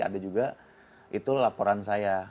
ada juga itu laporan saya